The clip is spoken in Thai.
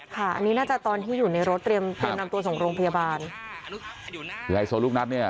ค่ะอันนี้น่าจะตอนที่อยู่ในรถเรียมเตรียมนำตัวส่งโรงพยาบาลคือไฮโซลูกนัดเนี่ย